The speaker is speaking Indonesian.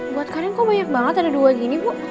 buat kalian kok banyak banget ada dua gini bu